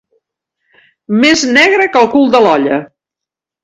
Més negre que el cul de l'olla.